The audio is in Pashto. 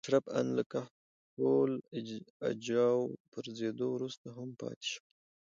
اشراف ان له کهول اجاو پرځېدو وروسته هم پاتې شول.